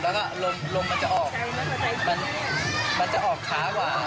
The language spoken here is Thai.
แล้วก็ลมมันจะออกมันจะออกช้ากว่า